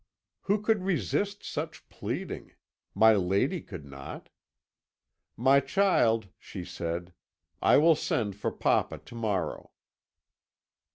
"Who could resist such pleading? My lady could not. "'My child,' she said, 'I will send for papa to morrow.'